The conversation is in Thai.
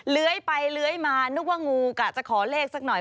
เลื้อยไปเลื้อยมานึกว่างูกะจะขอเลขสักหน่อย